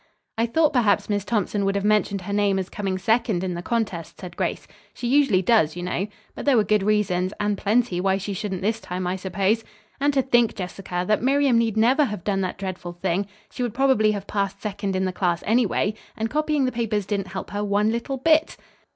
"I thought perhaps Miss Thompson would have mentioned her name as coming second in the contest," said Grace. "She usually does, you know. But there were good reasons, and plenty, why she shouldn't this time, I suppose. And to think, Jessica, that Miriam need never have done that dreadful thing. She would probably have passed second in the class anyway, and copying the papers didn't help her one little bit."